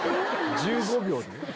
１５秒でね。